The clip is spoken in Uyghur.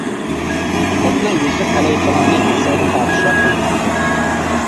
خۇددى يۈسۈپ ئەلەيھىسسالامنى مىسىرغا پادىشاھ قىلغاندەك.